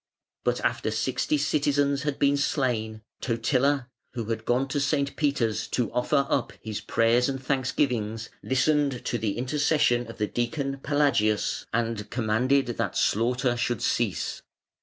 But after sixty citizens had been slain, Totila, who had gone to St. Peter's to offer up his prayers and thanksgivings, listened to the intercession of the deacon Pelagius and commanded that slaughter should cease.